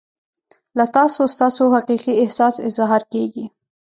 له تاسو ستاسو حقیقي احساس اظهار کیږي.